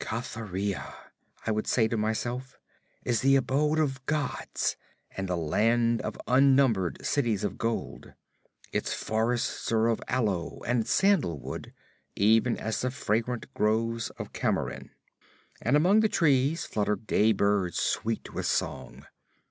"Cathuria," I would say to myself, "is the abode of gods and the land of unnumbered cities of gold. Its forests are of aloe and sandalwood, even as the fragrant groves of Camorin, and among the trees flutter gay birds sweet with song.